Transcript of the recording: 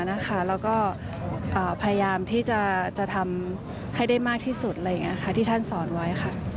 และก็พยายามทำให้ได้มากที่สุดที่ท่านสอนไว้